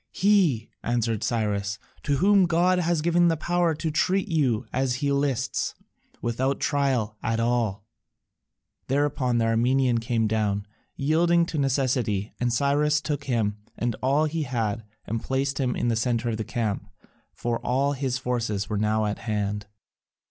"He," answered Cyrus, "to whom God has given the power to treat you as he lists, without a trial at all." Thereupon the Armenian came down, yielding to necessity, and Cyrus took him and all that he had and placed him in the centre of the camp, for all his forces were now at hand.